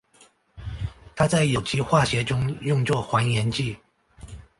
它在有机化学中用作还原剂。